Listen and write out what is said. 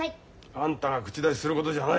あんたが口出しすることじゃない。